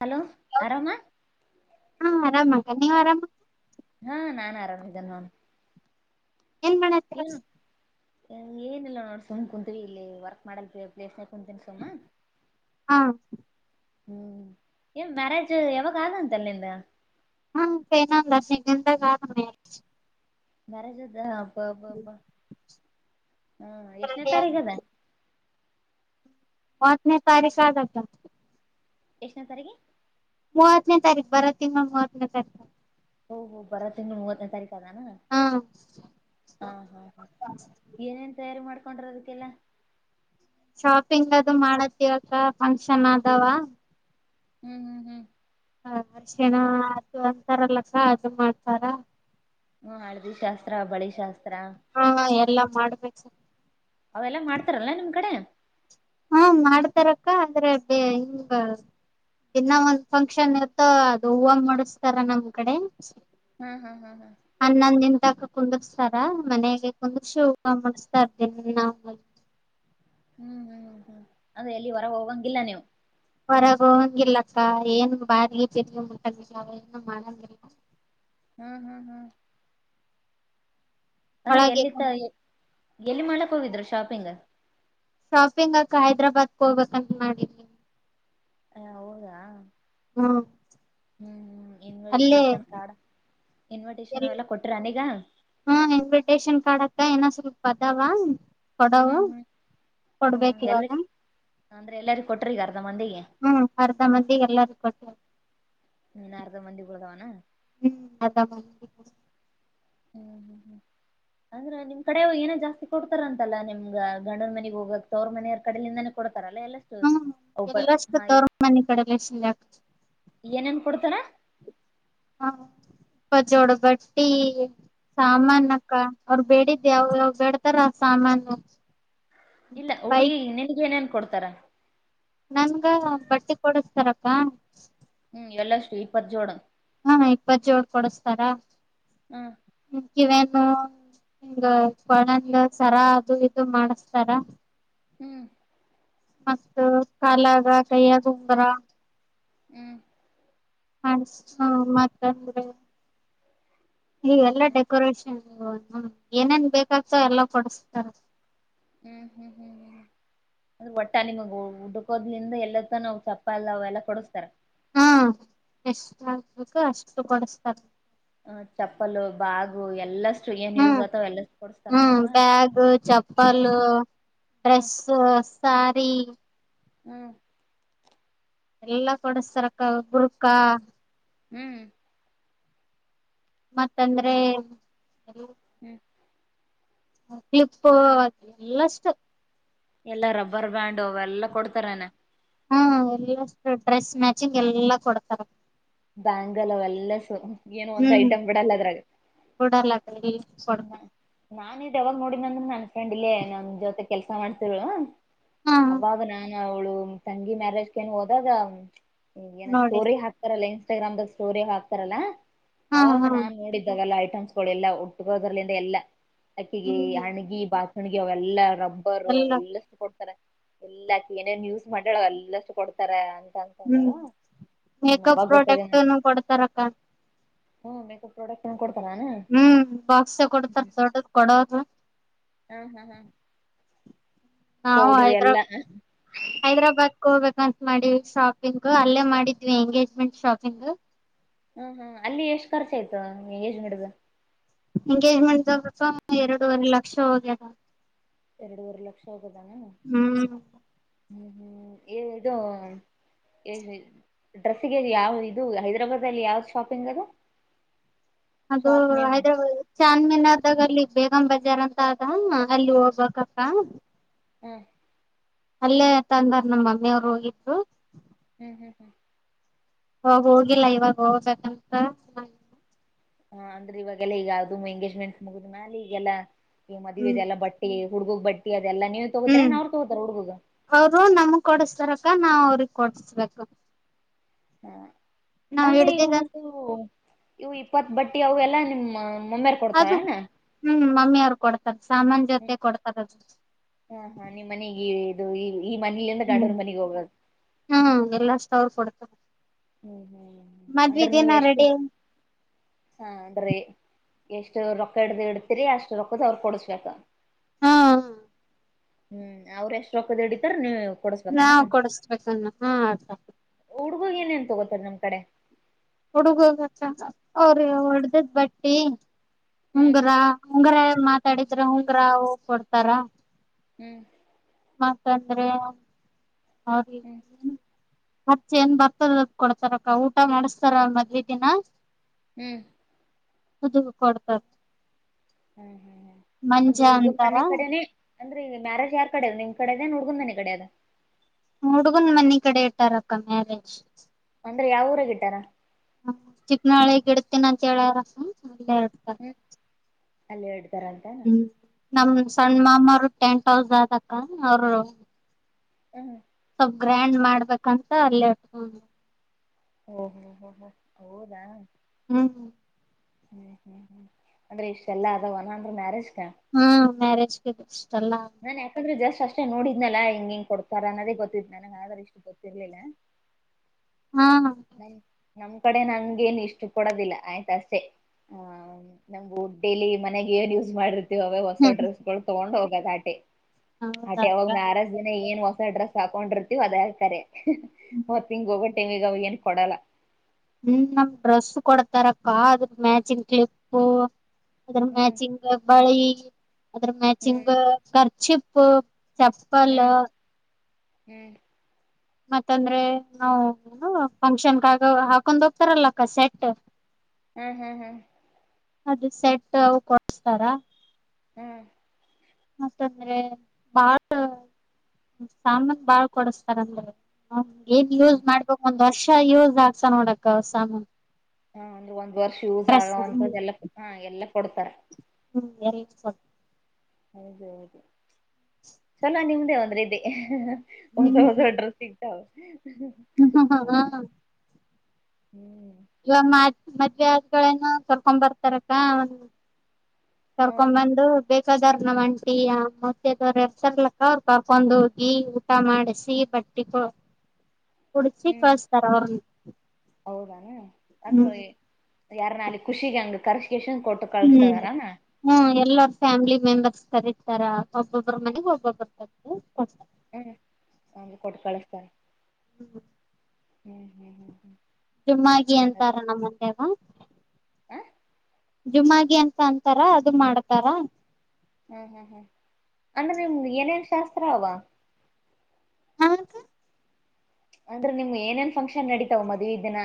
Hello ಆರಾಮ ಹಾ ಆರಾಮಕ್ಕ ನೀವ್ ಆರಾಮ್ ಹಾ ನಾನ್ ಆರಾಮಿದ್ದೇನ್ ನನ್ ಏನ್ ಮಾಡ ಏನಿಲ್ಲ ನೋಡ್ ಸುಮ್ ಕುಂತ್ವಿ ಇಲ್ಲಿ ವರ್ಕ್ ಮಾಡಲ್ ಪ್ಲೇಸ್ ಕುಂತೀನ ಸನ್ನ ಹಾ ಹ್ಮ್ ಏ ಮ್ಯಾರೇಜ್ ಯಾವಾಗಾದಂತೆ ಅಲ್ಲಿ ನಿಂದ ಹಾ ಕನಾಂದ ಸಿ ಎಿಂದ ಕಾರ ಮ್ಯಾರೇಜ್ ಅ ಬಬ್ಬಾಬ್ಬಾ ಹಾ ಎಷ್ಟನೇ ತಾರೀಖು ಅದ ಮುನ್ಸೂಚನೆ ತಾರಖ ಆ್ದತ ಎಷ್ಟ್ಣ ಸಾರರಿಗೆ ಮೂವತ್ತನೇ ತಾರೀು ಬರೋ ತಿ ಮೂವತ್ತನೇ ತಾರೀಕ ಹಓ ಹೋ ಬರ ತಿಂಗಳು ಮೂವತ್ತನೇ ತಾರೀಕು ಅದಾನ ಹಾ ಹ ಹಾ ಹಾ ಏನ ಸೇಾರಿ ಮಾಡ್ಕೊಂಡಿರದತಿಲ್ಲ ಶಾಪಿಂಗ್ ಅದು ಮಾಡತ್ತವತ್ರ ಫಂಕ್ಷನ್ ಅದಾವ ಹ್ಮ್ ಹ್ಮ್ ಹ್ಮ್ ಹ ಅರ್ಷೆನ ಅದು ಅಂತಾರಲ್ಲಸ ಅದು ಮಾಡ್ತಾರ ಹ್ಮ ಹಳದಿ ಶಾಸ್ತ್ರ ಬಳಿ ಶಾಸ್ತ್ರ ಮಾಡ್ಬೇಕು ಸರ್ ಅವೆಲ್ಲ ಮಾಡ್ತಾರಲ್ಲ ನಿಮ್ ಕಡೆ ಹಾ ಮಾಡ್ತಾರಕ್ಕ ಆದ್ರೆ ಬ ಹಿಂಗ ಇನ್ನ ಒಂದ್ ಫಂಕ್ಷನ್ ಇತ್ತ ಅದು ಹೂವ ಮೂಡಸ್ತಾರ ನಮ್ ಕಡೆ ಹ್ಮ್ ಹ್ಮ್ ಹ್ಮ್ ಹ್ಮ [unintelligible] ಕುಂದಕ್ಸ್ತಾರ [unintelligible] ಮನೆಗೆ ಕುಂದಗ್ಸಿ ಹಪ ಮುಡಸ್ತಾರ್ದನ್ನ ಹ್ಮ್ ಹ್ಮ್ ಹ್ಮ್ ಅದ ಎಲ್ಲಿ ಹೊರಗೆ ಹೋಗಂಗಿಲ್ಲ ನೀವು ಹೊರಗ ಹಂಗಿಲ್ಲಕ್ಕ ಏನ್ ಬಾರಿಗೆ ಚರ್ಕ್ ಮುಟ್ಟಂದಿಲ್ಲ ಅವ ಏನು ಮಾಡಂಗಿಲ್ಲ ಹ್ಮ್ ಹ್ಮ್ ಹ್ಮ್ ಹಾ ರೀ ಒಳಗೆ ಎಲ್ಲಿತ್ತ ಎಲ್ಲಿ ಮಾಡ್ಕ್ ಹೋಗಿದ್ರು ಶಾಪಿಂಗ್ ಶಾಪಿಂಗ್ಕ ಹೈದ್ರಾಬಾದ್ಗೆ ಹೋಗ್ಬೇಕಂತ ಮಾಡಿದ್ ಹಾ ಹೌದ ಹ್ಮ [unintelligible] ಇನ್ವಿಟೇಷನ್ ಕಾರ್ಡ್ [unintelligible] ಎ ಅವೆಲ್ಲ ಕೊಟ್ರ ನೀಗ ಹಾ ಇನ್ವಿಟೇಶನ್ ಕಾರ್ಡಕ್ಕ ಏನ [unintelligible] ಪತಾವಾ [unintelligible] ಕೊಡವು ಹ್ಮ್ ಹ್ಮ್ ಹ್ಮ್ ಕೊಡ್ಬೇಕ ಎಲ್ಲ ಇವಾಗ ಅಂದ್ರೆ ಎಲ್ಲರಿಗ ಕೊಟ್ರ ಈಗ ಅರ್ಧ ಮಂದಿಗೆ ಹ್ಮ್ ಅರ್ಧ ಮಂದಿಗೆ ಎಲ್ಲಾರೂ ಕೊಟ್ಟ ಹನ್ ಅಾರ್ಧ ಮಂದಿಗಳಳದಾವನಾ [unintelligible] ಹ್ಮ್ ಅದ [unintelligible] ಹ್ಮ್ ಹ್ಮ್ ಹ್ಮ್ ಅಂದ್ರೆ ನಿಮ್ ಕಡೆ ಏನೋ ಜಾಸ್ತಿ ಕೊಡ್ತಾರ ಅಂತಲ್ಲ ನಿಮ್ಗ ಗಂಡನ ಮನೆಗ್ ಹೋಗಕ್ತ ಅವ್ರ ಮನೆಯ್ರ ಕಡೆಯಿಂದಾನೇ ಕೊಡ ಲ [unintelligible] ಎಲ್ಲು ಹ್ಮ್ ಒಬ ಎಲ್ಲಷ್ಟು ಹಾಗೆ ತವ್ರ ಮನಿ ಕಡೆಲ್ಲ ಏನೇನ್ ಕೊಡ್ತಾರ ಪ್ಪ [unintelligible] ಜೋಡ ಬಟ್ಟಿ ಸಾಮಾನ್ ಹ್ಮ್ ಅಕ್ಕ ಅವ್ರ ಬೇಡಿದ್ದೆ ಅವ್ರ ಬೇಡ್ತಾರ ಸಾಮಾನು ಇಲ್ಲ ಬೈಕ್ ಹುಡುಗಿ ನಿನಗ ಏನೇನ್ ಕೊಡ್ತಾರ ನನ್ಗ ಬಟ್ಟೆ ಕೊಡಸ್ತಾರಕ್ಕ ಎಲ್ಲ ಅಷ್ಟು ಇಪ್ಪತ್ತು ಜೋಡ ಹ ಇಪ್ಪತ್ ಜೋಳ ಕೊಡಸ್ತಾರ ಹ್ಮ್ ಕಿವೇನು ಹಿಂಗ ಕೊಳಂಗ ಸರಾ ಅದು ಇದು ಮಾಡಸ್ತಾರ ಹ್ಮ್ ಮಸ್ತು ಕಾಲಾಗ ಕೈಯಾಗ ಉಂಗರ ಹ್ಮ್ ಅ ಮಿಸ್ ಮತ್ತಂದ್ರೆ ಈಗೆಲ್ಲಾ ಡೆಕೋರೇಷನ್ ಹ ಹ್ಮ ಏನೇನ್ ಬೇಕಾಗ್ತೋ ಎಲ್ಲ ಕೊಡಸ್ತಾರ ಹ್ಮ್ ಹ್ಮ್ ಹ್ಮ್ ಹ್ಮ್ ಅದ ಒಟ್ಟ ನಿಮಗ ಹುಡುಕೋದ್ಲಿಂದ ಎಲ್ಲತ್ತನ್ ಚಪ್ಪಾಲ್ ಅವಲ್ಲಾ ಕೊಡಸ್ತಾರ ಹಾ ಎಷ್ಟ ಆಗ್ಬೇಕು ಅಷ್ಟು ಕೊಡಸ್ತಾರ ಹ ಚಪ್ಪಲು ಬಾಗು ಎಲ್ಲಾ ಏನ್ ಯೂಸ್ ಹ್ಮ್ ಎಲ್ಲ ಕೊಡಸ್ತಾರ ನಿಮ್ಮ ಪಲ್ ಡ್ರೆಸ್ ಸಾರಿ. ಹ್ಮ್ ಎಲ್ಲಾ ಕೊಡಸ್ತಾರಕ್ಕ ಬ್ರುಕಾ. ಹ್ಮ್ ಮತ್ತಂದ್ರೆ. ಹ್ಮ್ ಕ್ಲಿಪ್ಪು ಎಲ್ಲಷ್ಟು. ಎಲ್ಲಾ ರಬ್ಬರ್ ಬ್ಯಾಂಡ್ ಅವೆಲ್ಲಾ ಕೊಡ್ತಾರನಾ. ಹ್ಮ ಎಲ್ಲಷ್ಟ ಡ್ರೆಸ್ ಮ್ಯಾಚಿಂಗ್ ಎಲ್ಲಾ ಕೊಡ್ತಾರ. ಆ್ಯಂಗಲ್ ಅವೆಲ್ಲಾ ಸೊ. ಹ್ಮ್ ಓಡರ್ಲಕ್ಕರಿ ಕೊಡ್ತ. ನಾನ್ ಇದ ಯಾವಾಗ್ ನೋಡಿನಂದ್ರ ನನ್ಸ. ಕಂಡಿಲೆ ನಮ್ಮ ಜೊತೆಕ್. ಕೆಲ್ಸ ಮಾಡ್ತ್ ಹಾ ಅವಾಗ ನಾ ಅವ್ಳು ತಂಗಿ ಮ್ಯಾರೇಜ್ ಕೆನ ಹೋದಾಗ ಹ್ ಏನ ನೋಡಿ ಸೋರಿ ಹಾಕ್ತಾರಲ್ಲೇ ಇನ್ಸ್ಟಾಗ್ರಾಮ್್ದಾಗ ಸ್ಟೋರಿ ಹಾಕ್ತಾರಲ್ಲಾ ಹಾ ಅವಾಗ ಹಾ ನಾನ್ ನೋಡಿದ್ದಾಗಲ್ಲ ಆಯ್ತು ಸ್ಕೊಳ್ಳಿ ಎಲ್ಲ ಒ ಉಟ್ಟಕೋದ್ರಲಿಂದ ಎಾ ಅಕಿಗೆ ಹ್ಮ್ ಅಣಗಿ ಬಾತ್ ನನ ಅವ ಎಲ್ಲ [unintelligible] ಅಾರ ಎಲ್ಲ ಅವೆಲ್ಲ ಕೊ ಎಲ್ಲಾಕ ಏನೇನ್ ಯೂಸ್ ಮಾಡ ಅವ ಎಲ್ಲಷ್ಟು ಕೊಡ್ತಾರ ಅ ಅಂತಳ ಹ್ಮ ಅವಾಗ ಗೊತ್ತ ಕ್ಟರ್ ಕೊಡ್ತಾರಕ್ಕ ಹ್ಮ್ ಮೇಕಪ್ ಪ್ರಾಡಕ್ಟ್ ಕೊ ಹ್ಮ್ ಬಾಕ್ಸ ಕೊಡ್ತಾರ ದೊಡ್ಡದ ಕೊಡದು ಹ್ಮ್ ಹ್ಮ್ ಹ್ಮ್ ನಾ ಹೈದ್ರಾಬ್ ಹೈದ್ರಾಬಾದ್ ಹೋಗ್ಬೇಕಂತ ಮಾಡಿ ಶಾಪಿಂಗ್ ಅಲ್ಲೇ ಮಾಡಿದ್ವಿ ಎಂಗೇಜ್ಮೆಂಟ್ ಶಾಪಿಂಗ್ ಹ್ಮ್ ಹ್ಮ್ ಅಲ್ಲಿ ಎಷ್ಟ್ ಖರ್ಚ ಆಯ್ತು ಯಜ್ ಗಿಡದ [inaudible] ಎಂಗೇಜ್ಮೆಂಟ್ ಎರಡೂವರೆ ಲಕ್ಷ ಹೋಗ್ಯದ ಎರಡುವರೆ ಲಕ್ಷ ಆೋಗೋದಾನ ಹ್ಮ್ ಹ್ಮ್ ಹ್ಮ್ ಇದು ಡ್ರೆಸ್ಸಿಗೆ ಯಾವ ಇದು ಹೈದ್ರಾಬಾದ್ ಅಲ್ಲಿ ಯಾವ್ದ ಶಾಪಿಂಗ್ ಅದು ಅದು ಶಾಪ್ ನೇಮ್ ಏನು? ಹೈದ್ರಾಬ್ ಚನ್ಮಿನಾ ದಲ್ಲಿ ಬೇಗಂಬ ಬಜಾರ್ ಅಂತ ಆದ ಅಲ್ಲಿ ಹೋಗ್ಬೇಕಕ್ಕ [inaudible] ಹ್ಮ್ ಅಲ್ಲೇ ತಂದಾರ್ ನಮ್ಮ ಅಮ್ಮಿವರು ಹೋಗಿದ್ರು ಹ್ಮ್ ಹ್ಮ್ ಹ್ಮ್ ಹೋಗ ಹೋಗಿಲ್ಲ ಇವಾಗ ಹೋಗ್ಬೇಕಂತ ಹಾ ಅಂದ್ರೆ ಇವಾಗೆಲ್ಲ ಈಗ ಯ್ದು ಎಂಗೇಜ್ಮೆಂಟ್ಸ್ ಮುಗುದ್ ಮಾಲ ಈಗೆಲ್ಲಾ ಈ ಮಧುವೆ ಹ್ಮ್ ದೆಲ್ಲ ಬಟ್ಟೇ ಹುಡುಗಗ್ ಬಟ್ಟಿ ಅದು ಹ್ಮ್ ಅವರು ನಮ ಕೊಡಸ್ತಾರ ನಾವ್ ಅವ್ರಿಗೆ ಕೊಟ್ಟಿಸ್ಬೇಕು ಹಾ ಅಂದ್ರೆ ಈವು ಇವು ಇಪ್ಪತ್ ಬಟ್ಟಿ ಅವಲ್ಲಾ ನಿಮ್ಮ ಮಮ್ಮ್ಯರ್ ಕೊಡ್ತಾಳ್ ಅದು ಎನ? ಹ್ಮ್ ಮಮ್ಮಿ ಅವ್ರು ಕೊಡ್ತಾರ ಸಾಮಾನ್ ಜೊತೆ ಕೊಡ್ತಾರ ಅದು ಹಾ ನಿಮ್ಮ ಮನಿಗಿ. [inaudible] ಈ ಮನಿಲಿಂದ ಹ್ಮ್ ನಡೂರು ಮನೆಗೆ ಹೋಗದ್ ತವ್ರು ಕೊಡ್ತ ಹ್ಮ್ ಹ್ಮ್ ಹ್ಮ್ ಅಂದ್ರೆ ನೀವು್ ಎಷ್ಟು? ರೆಡಿ [inaudible] ಹಾ ಅಂದ್ರೆ ಎಷ್ಟು ರೊಕ್ಕ ಇಡ್ದ್ ಇಡ್ತರಿ, ಅಷ್ಟು ರೊಕ್ಕದ ಅವ್ರ ಕೊಡಸ್ಬೇಕ. ಹಾ ಹ್ಮ್ ಅವ್ರ ಎಷ್ಟ್ ರೊಕ್ಕದ ಹಿಡಿತಾರ ನೀವ್ ಕೊಡಸ್ಬೇಕಾನ ನಾವ್ ಕೊಡಸ್ಬೇಕನ್ನ ಹಾ ಆತ ಹುಡ್ಗೋಗ ಏನೇಏನ್ ತಗೋತಾರ ನಮ್ ಕಡೆ? ಹುಡುಗ ಹೋಗಕ್ಕ ಅವ್ರ ಹೊಡ್ದದ್ ಬಟ್ಟಿ ಹ್ಮ್ ಉಂಗುರ ಉಂಗರ ಮಾ ತಡಿದ್ರ ಉಂಗ್ರ ಕೊಡ್ತಾರ. ಹ್ಮ್. ಮಾತಂದ್ರೆ? ಹ್ಮ್ [inaudible] ಹಚ್ಚ ಏನ್ ಬರ್ತದ ಅದ ಕೊಡ್ತಾರಕ್ಕ, ಊಟ ಮಾಡಸ್ತಾರ ಮದ್ವಿ ದಿನ. ಹ್ಮ್. ಹದು ಕೊಡ್ತರೆ. ಹ್ಮ್ ಹ್ಮ್ ಹ್ಮ್, ಅಂದ್ರೆ ಹುಡ್ಗನ ಮನೆ ಕಡೆನೆೇ ಅಂದ್ರೆ ಈ ಮ್ಯಾರೇಜ್ ಯಾರ್ ಕಡೆದ? ನಿಮ್ ಕಡೆೆಯದೆ ಹುಡಗುನ್ ಮನೆ ಕಡೆದ? ಹುಡುಗುನ್ ಮನಿ ಕಡೆ ಇಟ್ಟಾರಕ್ಕ ಮ್ಯಾರೇಜ್. ಅಂದ್ರೆ ಯಾವ ಊರಗ ಇಟ್ಟಾರ? ಹ್ಮ ಚಿಕ್ಕನಾಳಿಗ್ ಇಡ್ತೀನ್ ಅಂತ ಹೇಳಾರ್ ಅಕ್ಕ. [inaudible] ಹ್ಮ ಅಲ್ ಎಡು ಹ್ಮ್ ನಮ ಸಣ್ಣ ಮಾಮರು ಟೆಂಟ್ ಹೌದ ಆದಕ್ಕ ಅವರು ಹ್ಮ್ ಸ್ವಲ್ಪ್ ಗ್ರ್ಯಾಂಡ್ ಮಾಡ್ಬೇಕಂತ ಅಲ್ಲಿ [inaudible] ಹೋ ಹೋಹೋ ಹೌದ. ಹ್ಮ್ ಹ್ಮ್ ಹ್ಮ್ ಹ್ಮ್ ಹ್ಮ್, ಅಂದ್ರೆ ಇಷ್ಟ ಎಲ್ಲಾ ಅದವ [inaudible] ಮ್ಯಾರೇಜ್. ಹಾ ಮ್ಯಾರೇಜ್. [inaudible] ನಾನ್ ಯಾಕಂದ್ರೆ ಜಾಶ್ ಅಷ್ ಇ ನೋಡಿದ್ನಲ್ಲ ಹೆಂಗ ಹೆಂಗ್ ಕೊಡ್ತಾರ ಅನ್ನೋದೇ ಗೊತ್ತಿದ್ ನನಗೆ ಆದ್ರ ಇಷ್ಟು ಗೊತ್ತಿರ್ಲಿಲ್ಲ ಹಾ ಹ ನಮ್ ಕಡೆ ನನ್ಗೇನ್ ಇಷ್ಟು ಕೊಡೋದಿಲ್ಲ ಆಯ್ತಸೆ ಆ ನಮು ಡೇಲಿ ಮನೆಗೆ ಏನ್ ಯೂಸ್ ಮಾಡ ೆ ಹೊಸ ಡ್ರೆಸ್ ಗಳು ತೊೊಂಡೋಗ ದಾಟೆ ಅಟೆ ಅವಾಗ ಹೌದಕ್ಕ ನಾರಜ ದಿನ ಏನ್ ಮಸ ಅಡ್ರಸ್ ಹಾಕೊಂಡಿರ್ತಿೀವಿ ಅದ ಹಕರೆ ಹ್ಮ್ ಮತ್ತ ಹಿಂಗ ಒಬ್ಬಟ್ಟ ತಗ ಏ ಕೊಡಲ ಹ್ಮ ನಮ್ ಡ್ರೆಸ್ಸ ಕೊಡತಾರಕ್ಕ ಅದ್ರ ಮ್ಯಾಚಿಂಗ್ ಕ್ಲಿಪ್ಪು ಅದ್ರ ಹ್ಮ್ ಮ್ಯಾಚಿಂಗ್ ಬಳಿ ಅದ್ರ ಮ್ಯಾಚಿಂಗ್ ಹ್ಮ್ ಕಖರ್ಚಿಪ್ ಪ ಚಪ್ಪಲ್ ಹ್ಮ್ ಹ್ಮ್ ಮತ್ತಂದ್ರೆ ನಾವವು ಏನು ಫಂಕ್ಷನ್ಗಗ ಹಾಕೊಂಡ್ ಹೋಗ್ತಾರಲ್ಲ ಅಕ್ಕ ಸೆಟ್ ಹ್ಮ್ ಹ್ಮ್ ಹ್ಮ್ ಅದು ಸೆಟ್ ಅ ಕೊಡ್ಸ್ತಾರ ಹ್ಮ್ ಮತ್ತಂದ್ರೆ ಬಾಳ್ ಸಾಮನ್ ಬಾಳ್ ಕೊಡಸ್ತಾರಂದ್ರೆ ಹ ಏನ್ ಯೂಸ್ ಹ್ಮ್ ಮಾಡ್ಬೇಕಕ್ ಒಂದ್ ವರ್ಷ ಅಕ್ಕ ಇವಾಗ ಅಕ್ಸಯನ ನೋಡು ಅಕ್ಕ ಸಮಾನ ಹ ಒಂದು ಒಂದ್ ವರ್ಷ ಯೂಸ್ ಆಗ್ ಅಂತದ ಹ್ಮ್ ಎಲ್ಲ ಹಾ ಎಲ್ಲಾ ಕೊಡ್ತಾರ ಹ್ಮ್ ಎಲ್ಲ ಸ ಹೌದು ಹೌದು ಚಲ ನಿಮ್ದೇ ಒಂದ್ರೆ ಇದ ಹೊಸ ಹೊಸ ಅಡ್ರೆಸ್ ಸಿ ಹ ಹ ಹ್ಮ ಹ್ಮ ಹಾ ಹ್ಮ ಹ್ಮ್ ಇ ಮದ್ೆಗಳೇನು ಕರ್ಕೊಂಡ್ ಬರ್ತಾರಕ್ಕ ಒಂದು ಹ ಕರ್ಕೊ್ ಬಂದು ಬೇಕಾದಾರ್ ನಾವ್ ಒಂಟಿ ಆ ಮತ್ತೆದವ್ರ ಎರ್ಸರ್ಲಕ್ಕ ಅವರು ಕಾಕೊಂಡ್ ಹೋಗಿ ಊಟ ಮಾಡಿಸಿಿ ಬಟ್ಟಿ ಕುಡಚಿ ಹ್ಮ್ ಕಸ್ಟ್ ತರ ಹೌದಾನ ಅಂದ್ರರು ಯಾರ ನಾಲಿ ಖುಷಿಿಗೆ ಅಂಗ ಕರ್್ ಹ್ಮ್ ಹೂಂ ಎಲ್ಲ ಫ್ಯಾಮಿಲಿ ಮೆಂಬರ್ ಸರಿರ್ತಾರ ಒಬ್ಬೊಬ್ಬರ್ ಮನೆಗ್ ಒಬ್ಬೊಬ್ಬರ್ ತೆಗ್ದು ಕೊಡ್ಸಾ ಹ್ಮ್ ಅಮೇಲ್ ಕೊಟ್ ಕಳುಸ್ತಾರೆ. ಹ್ಮ್ ಹ್ಮ್ ಹ್ಮ್ ಹ್ಮ್ ಹ್ಮ್ ಜುಮ್ಮಾಗಿ ಹಂಗದ ಅಂತಾರ ನಮ್ಮಂದೇವ. ಹ ಜುಮಾಗಿ ಅಂತ ಅಂತಾರ ಅದು ಮಾಡ್ತಾರ. ಹ್ಮ್ ಹ್ಮ್ ಹ್ಮ್ ಅಂದ್ರೆ ನಿಮ್ದ್ ಏನೇನ್ ಶಾಸ್ತ್ರ ಅವ? ಆಮೇಲುಕ್ಕೆ ಅಂದ್ರೆ ನಿಮ್ ಏನೇನ್ ಫಂಕ್ಷನ್ ನಡಿತಾವ ಮದ್ವಿ ದಿನ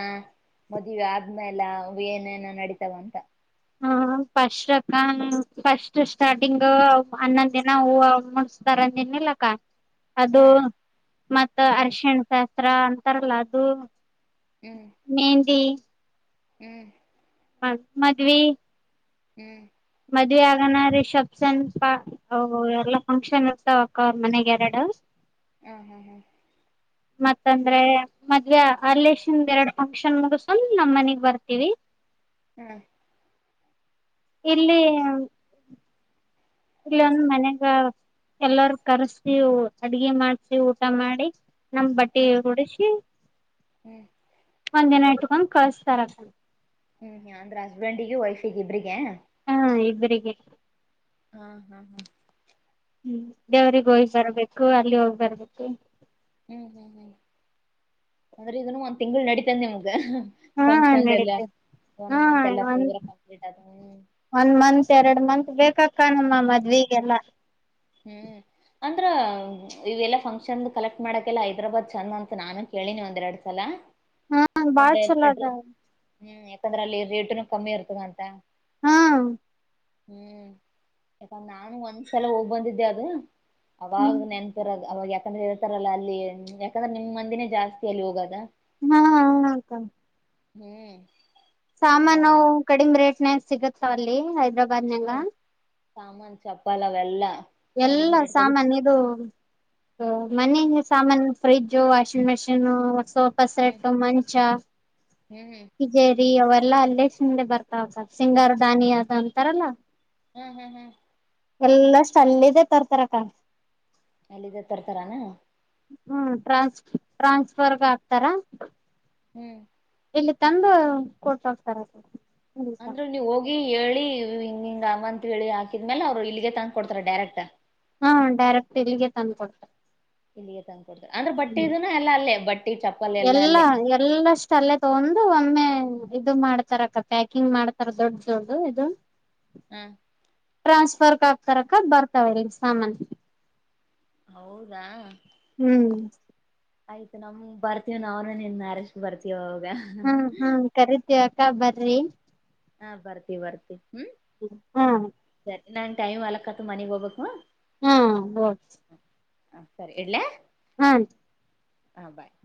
ಮದ್ವಿ ಆದ್ಮೇಲ ಏನೇನ ನಡಿತಾವ ಅಂತ? ಹ್ಮ್ first of all first starting ಹನ್ನೊಂದ್ ದಿನ ಹೂವ ಮುಡಸ್ದಾರಂದೀನಲ್ಲಕ್ಕ, ಅದು ಹಾ ಮತ್ತ ಹ್ಮ್ ಅರ್ಶಿಣ್ ಶಾ ತ್ರ ಅಂತಾರಲ್ಲ ಅದು, ಹ್ಮ್ ಮೆಹಂದಿ ಹ್ಮ್ ಮಾಡ್ ಮದ್ವಿ ಹ್ಮ್ ಮದ್ವೆ ಆಗನ ರಿಸೆಪ್ಷನ್ ಸ್ಪ ಅವೊ ಎಲ್ಲ ಫಂಕ್ಷನ್ ಇರ್ತಾವಕ್ಕ ಅವ್ರ್ ಮನೆಗೆರಡು. ಹ್ಮ್ ಹ್ಮ್ ಹ್ಮ್ ಮತ್ತಂದ್ರೆ ಮದ್ವೆ ಅರ್ಲೇಶನ್ದ್ ಎರಡ್ ಫಂಕ್ಷನ್ ಮುಗುಸ್ಕೊಂಡ್ ನಮ್ ಮನಿಗ್ ಬರ್ತೀವಿ. ಹ್ಮ್ ಇಲ್ಲಿ ಹಾಂ ಹ ಇಲ್ಲೊಂದ್ ಮನೆಗ ಎಲ್ಲಾರೂ ಕರ್ಸಿ ಅಡ್ಗೆ ಮಾಡ್ಸಿ ಊಟ ಮಾಡಿ, ನಮ್ ಬಟ್ಟಿ ಹ್ಮ್ ಉಡಿಸಿ ಒಂದಿನ ಇಟ್ ಟುಕನ್ ಕಳಸ್ತಾರ ಹ್ಮ್ ಹ ಅಂದ್ರೆ ಹಸ್ಬೆಂಡಿಗೆ ವೈಫಿಗಿಬ್ರಿಗೆ? ಹ್ಮ್ ಇಬರಿಗೆ. ಹಾಂ ಹಾಂ ಹಾಂ ಹ್ಮ್ ದೇವ್ರಗ್ ಹೋಗಿ ಬರ್ಬೇಕು ಅಲ್ಲಿ ಹೋಗಿ ಬರ್ಬೇಕು. ಹ್ಮ್ ಹ್ಮ್ ಹ್ಮ್ ಅಂದ್ರೆ ಇದುನು ಒಂದ್ ತಿಂಗಳು ನಡೀತದ ನಿಮ್ ಹಾ ಫಂಕ್ಷನ್ದೆಲ್ಲಾ ನಡೀತೆ ಒನ್ ಹಾ ಮಂತ್ ಎಲ್ಲ ಒಂದ್ ಫುಲ್ಲಾಗ್ ಕಂಪ್ಲೀಟ್ ಆದ್ಮೇಲೆ ಬೇಕಕ್ ಕಾಣಮ್ಮ ಮದ್ವಿಗೆಲ್ಲ ಹ್ಮ್ ಅಂದ್ರ ಇವೆಲ್ಲಾ ಫಂಕ್ಷನ್ದ್ ಕಲೆಕ್ಟ್ ಮಾಡಕೆಲ್ಲ ಹೈದ್ರಾಬಾದ್ ಚೆಂದ್ ಅಂತ ನಾನು ಕೇಳಿನಿ ಒಂದೆರಡ್ ಸಲ ಹಾಂ ಬಾಳ ಚಲೋ ಅದ ಹ್ಮ್ ಯಾಕಂದ್ರ ಅಲ್ಲಿ ರೇಟುನು ಕಮ್ಮಿ ಇರ್ತದ ಅಂತ. ಹಾಂ ಹ್ಮ್ ನಾನು ಒಂದ್ಸಲ ಹೋಗ್ ಬಂದಿದ್ ಇದೆ ಅದು ಅವಾಗ ಹ್ಮ್ ನೆನ್ಪಿರೋದು ಅವಾಗ ಯಾ ಯಾಕಂದ್ರೆ ಹೇತಾರಲ್ಲ ಅಲ್ಲಿ ಯಾಕಂದ್ರೆ ನಿಮ್ ಮಂದಿನೇ ಜಾಸ್ತಿ ಅಲ್ಲಿ ಹೋಗದ ಹಾ ಹ ಅಕ್ಕ ಹ್ಮ್ ಆ ಸಾಮಾನು ಕಡಿಮ ರೇಟ್ ಸ್ನಕ್ ಸಿಗುತ್ತ ಅಲ್ಲಿ ಹೈದ್ರಾಬಾದ ಬಜಂಗ ಹ್ಮ್ ಸಾಮಾನ್ ಚಪ್ಪಲು ಅವೆಲ್ಲಾ ಕಡಿಮ್ ಎಲ್ಲ ರೇಟ್ದಾಗ ಸಾಮನ್ ಇದು ಮನೆ ಸಾಮಾನನ್ ಫ್ರಿಜು ವಾಷಿಂಗ್ ಮಷೀನ್ ಸೋಫಾ ಹ್ಮ್ ಸೆಟ್ ಮಂಚ ಹ್ಮ್ ಹ್ಮ್ ತಿಜೇರ್ ಫ್ರೀ ಅವೆಲ್ಲಾ ಅಲ್ಲೇ ಶಿಂಗೆ ಬರ್ತಾವ ಹತ ಸಿಂಗಾರ ದಾನಿ ಅದು ಅಂತಾರಲ್ಲ ಹ್ಮ್ ಹ್ಮ್ ಹ್ಮ್ ಎಲ್ಲಾ ಚಲ್ಲಿದೇ ತರ್ತಾರಕ್ಕ ಅಲ್ಲಿದ್ದ ತರ್ತರಾನ ಹ್ಮ್ ಟ್ರಾನ್ಸ್ ಟ್ರಾನ್ಸ್ಫರ್ಗೆ ಹಕ್ತಾರ ಹ್ಮ್ ಇಲ್ಲಿ ತಂದು ಕೊಟ್ಟ ಹೋಗ್ತಾರೆ ಅಂದ್ರರು ನೀವ್ ಹೋಗಿ ಹೇಳಿ ಹಿಂಗ ಹಿಂಗ ಅಮ್ಮ ಅಂತತ್ ಹೇಳಿ ಹಾಕಿದ್ಮೇಲೆ ಅವ್ರು ಇಲ್ಲಿಗೆ ತಂದ್ಕ ಕೊಡ್ತಾರ ಡೈರೆಕ್ಟ್ ಹಾ ಡೈರೆಕ್ಟ್ ಇಲ್ಲಿಗೆ ತಂದು ಕೊಟ್ಟೆತರ [unintelligible] ಅಂದ್ರೆ ಬಟ್ಟಿ ಇದ ಎಲ್ಲ ಅಲ್ಲೇ ಬಟ್ಟೆ ಎಲ್ಲಾ ಎಲ್ಲಷ್ಟ ಅಲ್ಲೇ ತಗೊಂಡು ಒ ಒಮ್ಮೆ ಇದು ಮಾಡ್ತಾರಕ್ಕ ಪ್ಯಾಕಿಂಗ್ ಮಾಡ್ತಾರ ದೊಡ್ಡ ಜೋಡ್ು ಇದು ಹ ಟ್ರಾನ್ಸ್ ಸರ್ಕಕ್ ತರಕದ ಬರ್ತಾವ ಸಾಮಾನ ಹೌದಾ ಹ್ಮ್ ಆಯ್ತ ನಮಗ್ ಬರ್ತವ್ ನಾವ್ನ ನಿನ್ ಮ್ಯಾರೇಜ್ ಬರ್ತೀವ ಹ್ಮ ಹಾ ಕರಿತೀವಕ್ಕ ಬರ ರೀ ಹಾ ಬರ್ತಿ- ಬರ್ತಿ ಹ್ಮ ಹ್ಮ ನಾನ್ ಟೈಮ್ ಆಲಕ್ಕತ ಮನೆಗ್ ಹೋಗಬಬೇಕಕ್ವಾ ಹ್ಮ್ ಹೊಜ್ ಹ ಸರಿ ಇಡ್ಲ ಹ್ಮ ಹ ಬಾಯ್